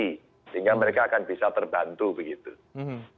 sehingga mereka akan bisa terbantu begitu